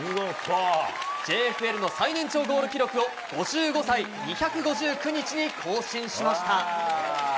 ＪＦＬの最年長ゴール記録を、５５歳２５９日に更新しました。